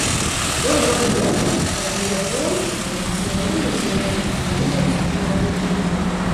Добра было б, каб біятлон стаў нацыянальным беларускім відам спорту!